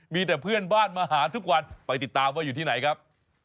มีแต่เพื่อนบ้านมาหาทุกวันไปติดตามว่าอยู่ที่ไหนครับ